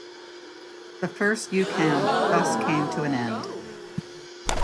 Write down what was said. The first yukam thus came to an end.